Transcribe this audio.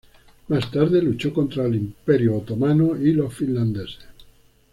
Más tarde luchó contra el imperio otomano y los finlandeses.